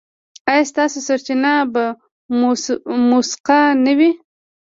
ایا ستاسو سرچینه به موثقه نه وي؟